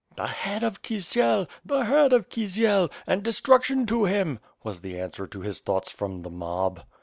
'The head of Kisiel! the head of Kisiel! and destruction to him," was the answer to his thoughts from the mob.